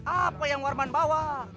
apa yang warman bawa